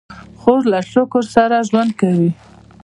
خور له شکر سره ژوند کوي.